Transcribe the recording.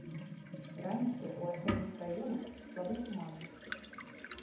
Раніцай у асобных раёнах слабы туман.